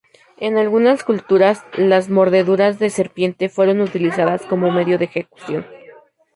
En algunas culturas, las mordeduras de serpiente fueron utilizadas como medio de ejecución.